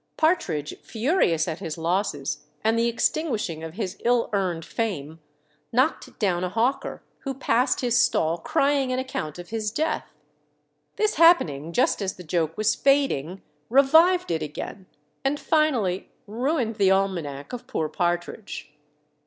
Partridge, furious at his losses and the extinguishing of his ill earned fame, knocked down a hawker who passed his stall crying an account of his death. This happening just as the joke was fading, revived it again, and finally ruined the almanac of poor Partridge.